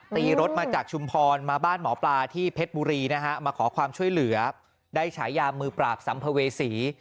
ตีรถมาจากชุมพรมาบ้านหมอปลาที่เพชรบุรีนะฮะมาขอความช่วยเหลือได้ฉายามือปราบสัมภเวษี